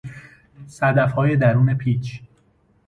صدفهای درون پیچ